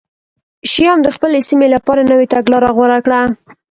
شیام د خپلې سیمې لپاره نوې تګلاره غوره کړه